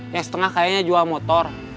yang setengah kayaknya jual motor